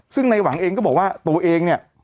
ซึ่งในหวังเองก็บอกว่าตัวเองเนี่ย